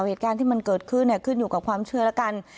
เหตุการณ์ที่มันเกิดขึ้นขึ้นอยู่กับความเชื่อแล้วกัน